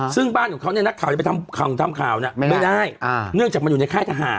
ซึ่งบ้านของเขาเนี่ยนักข่าวจะไปทำข่าวเนี่ยไม่ได้เนื่องจากมันอยู่ในค่ายทหาร